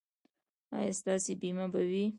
ایا ستاسو بیمه به وي؟